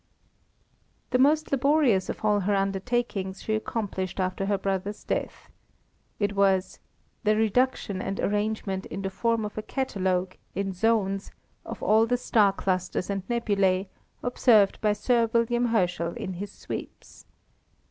The most laborious of all her undertakings she accomplished after her brother's death. It was "The Reduction and Arrangement in the form of a catalogue, in Zones, of all the Star Clusters and Nebulæ, observed by Sir W. Herschel in his Sweeps."